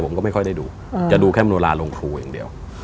ผมก็ไม่ค่อยได้ดูจะดูแค่โรงครูเองเดียว